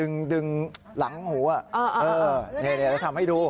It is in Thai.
เออดึงหลังหัวนี่ทำให้ดู